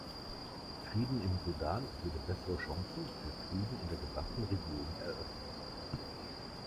Frieden im Sudan würde bessere Chancen für Frieden in der gesamten Region eröffnen.